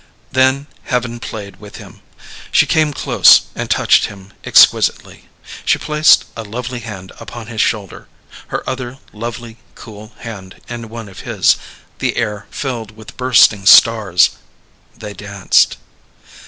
Then heaven played with him. She came close and touched him exquisitely. She placed a lovely hand upon his shoulder, her other lovely cool hand in one of his. The air filled with bursting stars. They danced.